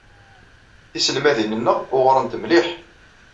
Tiselmadin-nneɣ uɣrent mliḥ.